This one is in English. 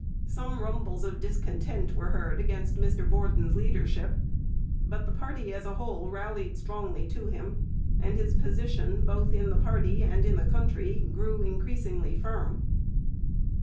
Some rumbles of discontent were heard against Mr Borden's leadership, but the party as a whole rallied strongly to him, and his position both in the party and in the country grew increasingly firm.